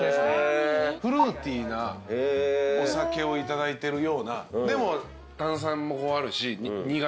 フルーティーなお酒をいただいてるようなでも炭酸もあるし苦味もあるし。